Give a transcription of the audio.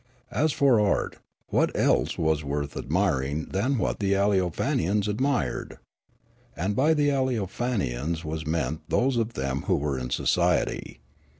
As for art, what else was worth admiring than what the Aleofanians admired ? And bj' the Aleofanians was meant those of them who were in society.